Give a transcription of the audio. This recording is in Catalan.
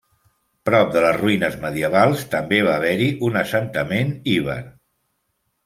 Prop de les ruïnes medievals també va haver-hi un assentament iber.